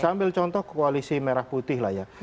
saya ambil contoh koalisi merah putih lah ya